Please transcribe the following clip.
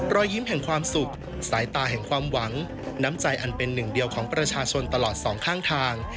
รอยยิ้มแห่งความสุขสายตาแห่งความหวังน้ำใจอันเป็นหนึ่งเดียวของประชาชนตลอดสองข้างทาง